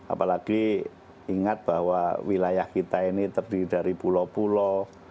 apalagi ingat bahwa wilayah kita ini terdiri dari pulau pulau